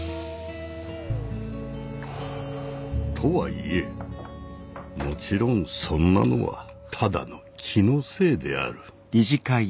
とはいえもちろんそんなのはただの気のせいである。